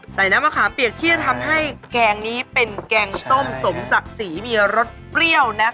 น้ำมะขามเปียกที่จะทำให้แกงนี้เป็นแกงส้มสมศักดิ์ศรีมีรสเปรี้ยวนะคะ